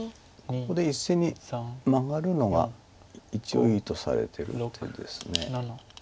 ここで１線にマガるのが一応いいとされてる手です。